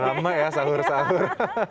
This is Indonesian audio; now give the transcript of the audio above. ramai ya sahur sahur